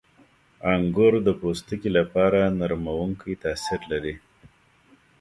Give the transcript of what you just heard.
• انګور د پوستکي لپاره نرمونکی تاثیر لري.